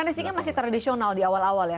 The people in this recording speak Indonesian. enesingnya masih tradisional di awal awal ya